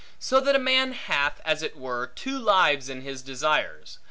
So that a man hath, as it were, two lives in his desires.